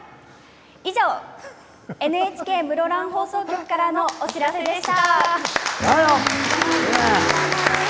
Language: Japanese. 以上、ＮＨＫ室蘭放送局からのお知らせでした。